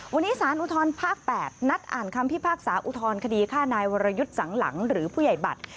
วันนี้สารอุทธรภาค๘นัดอ่านคำพิพากษาอุทธรณคดีฆ่านายวรยุทธ์สังหลังหรือผู้ใหญ่บัตร